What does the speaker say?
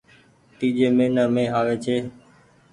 تيجي مهينا مينٚ آوي ڇي